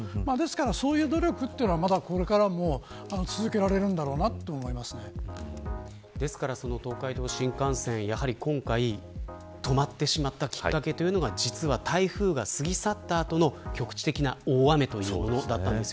そういう努力はこれからも東海道新幹線、やはり今回止まってしまったきっかけというのが実は台風が過ぎ去った後の局地的な大雨というものだったんです。